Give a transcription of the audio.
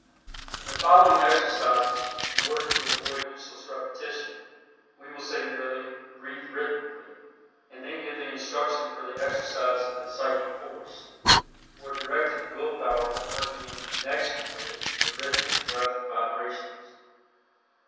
In the following exercises, in order to avoid useless repetition, we will say merely, "Breathe Rhythmically," and then give the instruction for the exercise of the psychic force, or directed Will power working in connection with the rhythmic breath vibrations.